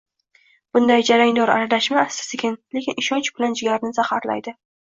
Bunday jarangdor aralashma asta-sekin, lekin ishonch bilan jigarni zaharlaydi.